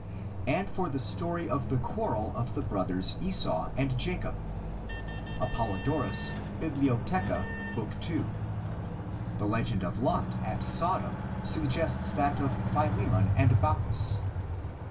and for the story of the quarrel of the brothers Esau and Jacob (ApoUodor., Biblioth., II., 2/1); the legend of Lot at Sodom suggests that of Philemon and Baucis.